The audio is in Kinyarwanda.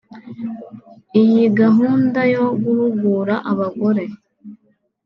Iyi gahunda yo guhugura abagore